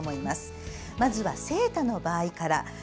まずは誠太の場合から。